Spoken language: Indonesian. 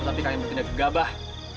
tapi kalian berpindah kegabah